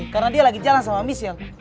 karena dia lagi jalan sama michelle